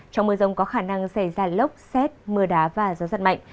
trong mưa rông có khả năng xảy ra lốc xét mưa đá và gió giật mạnh